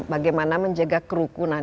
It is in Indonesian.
bagaimana menjaga kerukunan